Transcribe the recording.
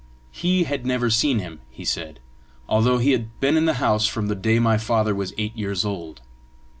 He had never seen him, he said, although he had been in the house from the day my father was eight years old.